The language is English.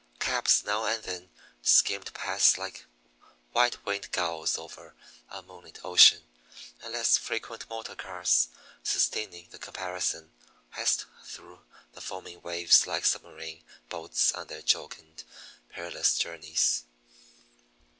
Cabs now and then skimmed past like white winged gulls over a moonlit ocean; and less frequent motor cars sustaining the comparison hissed through the foaming waves like submarine boats on their jocund, perilous journeys.